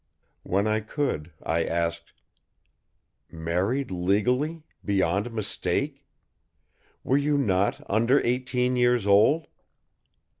When I could, I asked: "Married legally, beyond mistake? Were you not under eighteen years old?"